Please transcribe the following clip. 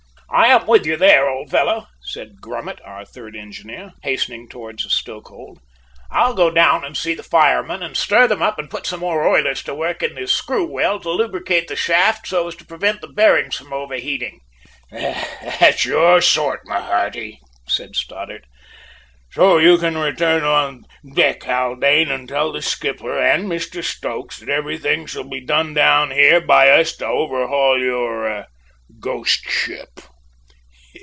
"I am with you there, old fellow," said Grummet, our third engineer, hastening towards the stoke hold. "I'll go down and see the firemen and stir them up and put some more oilers to work in the screw well, to lubricate the shaft so as to prevent the bearings from overheating." "That's your sort, my hearty," said Stoddart. "So you can return on deck, Haldane, and tell the skipper and Mr Stokes that everything shall be done down here by us to overhaul your `ghost ship.'"